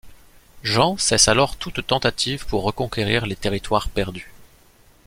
Jean cesse alors toute tentative pour reconquérir les territoires perdus.